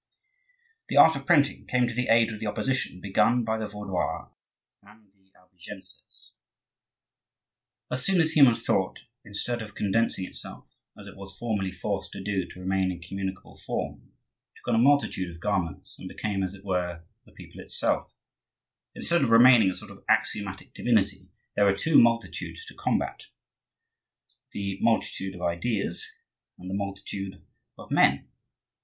The art of printing came to the aid of the opposition begun by the Vaudois and the Albigenses. As soon as human thought, instead of condensing itself, as it was formerly forced to do to remain in communicable form, took on a multitude of garments and became, as it were, the people itself, instead of remaining a sort of axiomatic divinity, there were two multitudes to combat,—the multitude of ideas, and the multitude of men.